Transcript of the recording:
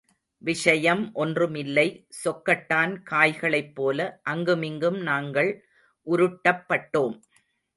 விஷயம் ஒன்றுமில்லை, சொக்கட்டான் காய்களைப்போல அங்குமிங்கும் நாங்கள் உருட்டப்பட்டோம்.